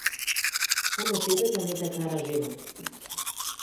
Само тебе да не те кара жена ти.